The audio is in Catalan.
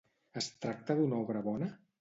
Es tracta d'una obra bona?